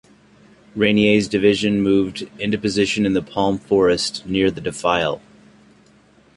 Reynier's division moved into position in the palm forest near the defile.